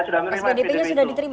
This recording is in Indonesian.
spdp nya sudah diterima